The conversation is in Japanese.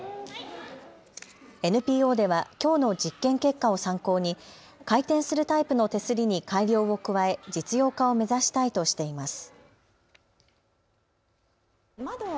ＮＰＯではきょうの実験結果を参考に回転するタイプの手すりに改良を加え実用化を目指したいとしています。